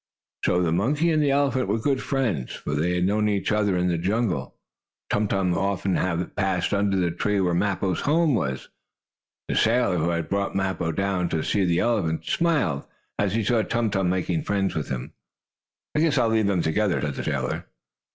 The monkey and the elephant were good friends, for they had known each other in the jungle, Tum Tum often having passed under the tree where Mappo's home was. The sailor who had brought Mappo down to see the elephants, smiled as he saw Tum Tum making friends with him. "I guess I'll leave them together," said the sailor.